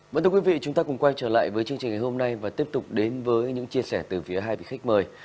vẫn thưa quý vị chúng ta cùng quay trở lại với chương trình ngày hôm nay và tiếp tục đến với những chia sẻ từ phía hai vị khách mời